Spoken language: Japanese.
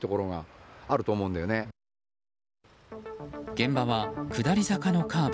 現場は下り坂のカーブ。